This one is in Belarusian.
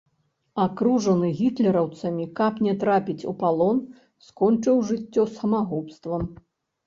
Акружаны гітлераўцамі, каб не трапіць у палон, скончыў жыццё самагубствам.